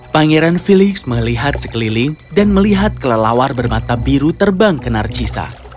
pangeran felix melihat sekeliling dan melihat kelelawar bermata biru terbang ke narcisa